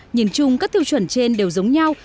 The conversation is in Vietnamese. nhìn chung các tiêu chuẩn trên đều giống nhau